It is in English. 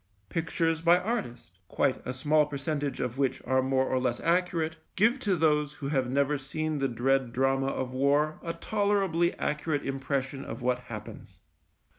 Pictures by artists, quite a small percentage of which are more or less accurate, give to those who have never seen the dread drama of war a tolerably accurate impression of what happens.